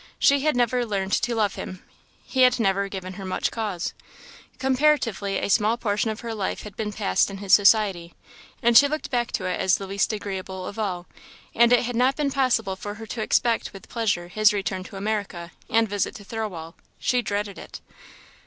She had never learned to love him, he had never given her much cause. Comparatively a small portion of her life had been passed in his society, and she looked back to it as the least agreeable of all; and it had not been possible for her to expect with pleasure his return to America, and visit to Thirlwall she dreaded it.